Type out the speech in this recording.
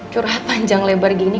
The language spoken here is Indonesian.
curhat panjang lebar gini